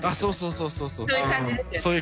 そうそうそうそう。